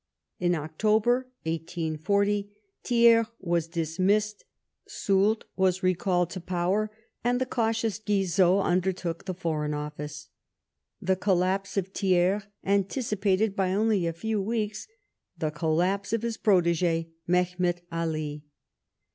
In October 1840, Thiers was dismissed, Soult was re called to power, and the cautious Guizot undertook the Foreign OfiSce. The collapse of Thiers anticipated by only a few weeks the collapse of his protege Mehemet Ali.